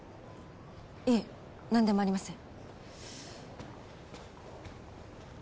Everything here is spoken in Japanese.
いえなんでもありません。